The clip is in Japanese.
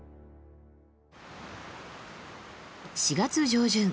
４月上旬